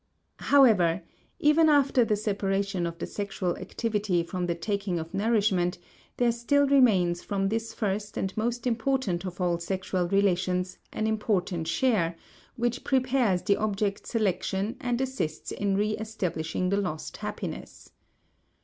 * However, even after the separation of the sexual activity from the taking of nourishment, there still remains from this first and most important of all sexual relations an important share, which prepares the object selection and assists in reestablishing the lost happiness.